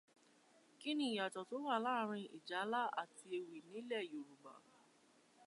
Kí ni ìyàtọ̀ tó wà láàrin ìjálá àti ewì ní ilẹ̀ Yorùbá?